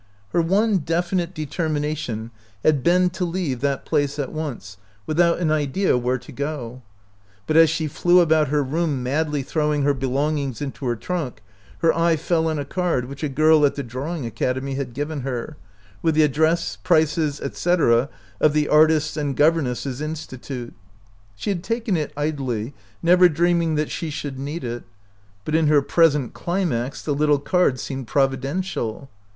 Her one definite determination had been to leave that place at once, without an idea where to go ; but as she flew about her room madly throwing her belongings into her trunk, her eye fell on a card which a girl at the drawing academy had given her, with the address, prices, etc., of the "Artists and Governesses' Institute." She had taken it idly, never dreaming that she 43 OUT OF BOHEMIA should need it ; but in her present climax the little card seemed providential.